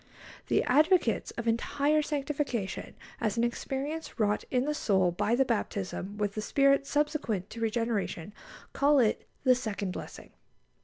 The advocates of entire sanctification as an experience wrought in the soul by the baptism with the Spirit subsequent to regeneration call it "the second blessing."